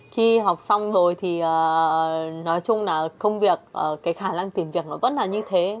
khi học xong rồi thì nói chung là công việc cái khả năng tìm việc nó vẫn là như thế